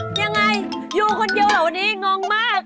ยังไงอยู่คนเดียวเหรอวันนี้งงมาก